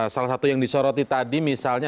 salah satu yang disoroti tadi misalnya